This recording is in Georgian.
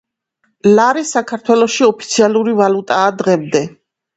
ლარი საქართველოში ოფიციალური ვალუტაა დღემდე